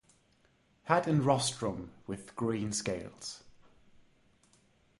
Head and rostrum with green scales.